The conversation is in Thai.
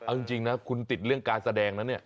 เอาจริงนะคุณติดเรื่องการแสดงนะเนี่ย